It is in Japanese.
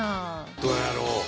どうやろ？